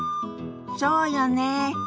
そうよね。